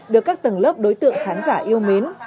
được các tầng lớp đối tượng khán giả yêu mến